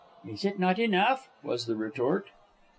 "Is it not enough?" was the retort.